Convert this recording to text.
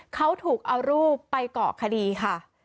เขาถูกเอารูปไปเกาะคดีค่ะ